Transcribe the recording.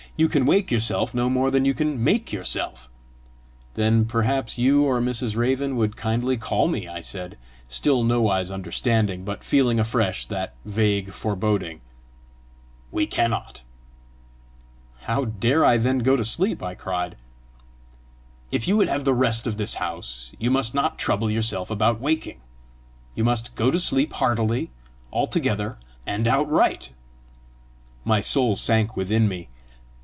You can wake yourself no more than you can make yourself." "Then perhaps you or Mrs. Raven would kindly call me!" I said, still nowise understanding, but feeling afresh that vague foreboding. "We cannot." "How dare I then go to sleep?" I cried. "If you would have the rest of this house, you must not trouble yourself about waking. You must go to sleep heartily, altogether and outright." My soul sank within me.